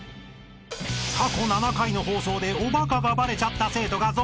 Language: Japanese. ［過去７回の放送でおバカがバレちゃった生徒が続出］